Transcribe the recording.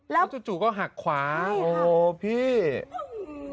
แล้วจู่ก็หักขวาโอ้พี่ใช่ค่ะ